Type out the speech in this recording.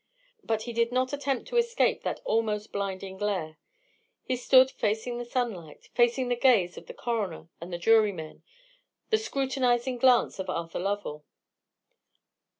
But he did not attempt to escape that almost blinding glare. He stood facing the sunlight; facing the gaze of the coroner and the jurymen; the scrutinizing glance of Arthur Lovell.